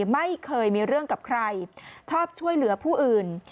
ไม่เคยมีเรื่องกับใครชอบช่วยเหลือผู้อื่น